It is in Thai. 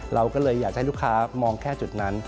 เราก็เลยอยากให้ลูกค้ามองแค่จุดนั้น